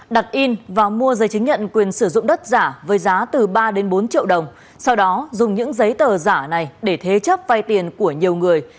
đặt in và mua giấy chứng nhận quyền sử dụng đất giả với giá từ ba bốn triệu đồng sau đó dùng những giấy tờ giả này để thế chấp vay tiền của nhiều người